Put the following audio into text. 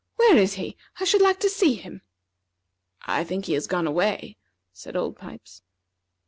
Where is he? I should like to see him." "I think he has gone away," said Old Pipes.